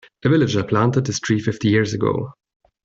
A villager planted this tree fifty years ago.